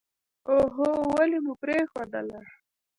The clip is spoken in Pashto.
اوهووو ولې مو پرېښودله.